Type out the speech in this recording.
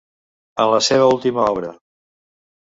En la seva última obra.